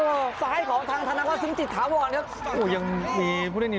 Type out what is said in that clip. โอ้ซ้ายของทางธนาควะซึมจิตถาวรครับโอ้ยยังมีผู้เล่น